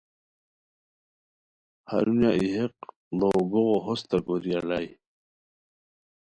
ہرونیہ ای حیق ڑو گوغو ہوستہ کوری الائے